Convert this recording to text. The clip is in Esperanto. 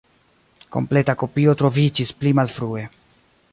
Kompleta kopio troviĝis pli malfrue.